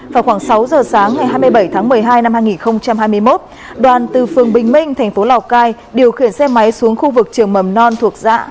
vào khoảng sáu giờ sáng ngày hai mươi bảy tháng một mươi hai năm hai nghìn hai mươi một đoàn từ phường bình minh thành phố lào cai điều khiển xe máy xuống khu vực trường mầm non thuộc dạng